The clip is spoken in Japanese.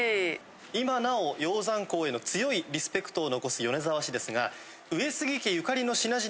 今なお鷹山公への強いリスペクトを残す米沢市ですが。